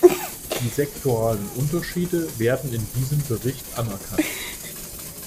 Die sektoralen Unterschiede werden in diesem Bericht anerkannt.